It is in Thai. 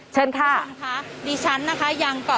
เชิญค่ะ